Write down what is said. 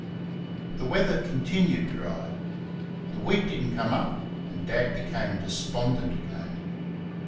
The weather continued dry. The wheat did n't come up, and Dad became despondent again.